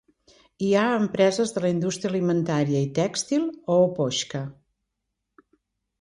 Hi ha empreses de la indústria alimentària i tèxtil a Opochka.